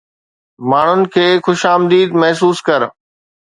ماڻهن کي خوش آمديد محسوس ڪر